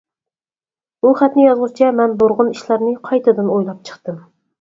بۇ خەتنى يازغۇچە مەن نۇرغۇن ئىشلارنى قايتىدىن ئويلاپ چىقتىم.